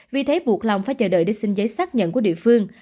vì thế buộc long phải chờ đợi để xin giấy xác nhận của địa phương